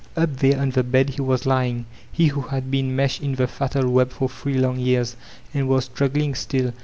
Up there on the bed he was lying, he who had been meshed in the fatal web for three long year»— and was struggling still!